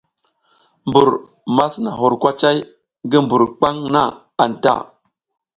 Mbur ma sina hur kwacay ngi mbur kwaŋ na anta.